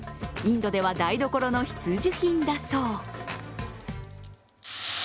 インドでは台所の必需品だそう。